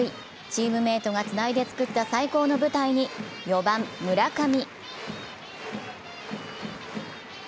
チームメートがつないで作った最高の舞台に４番・村上。